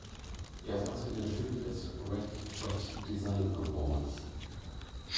Er saß in der Jury des Red Dot Design Awards.